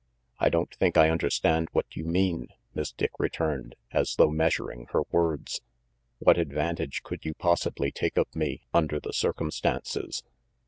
"I don't think I understand what you mean," Miss Dick returned, as though measuring her words. "What advantage could you possibly take of me under the circumstances?"